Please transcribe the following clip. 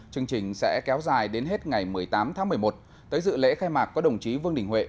chương trình sẽ kéo dài đến hết ngày một mươi tám tháng một mươi một tới dự lễ khai mạc có đồng chí vương đình huệ